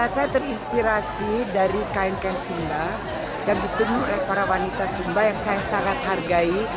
saya terinspirasi dari kain kain sumba dan ditemui oleh para wanita sumba yang saya sangat hargai